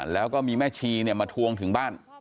แล้วก็มีแม่ชีมาทวงถึงบ้าน